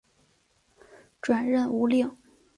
转任吴令。